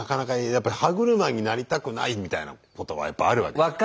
やっぱり歯車になりたくないみたいなことはやっぱあるわけだから。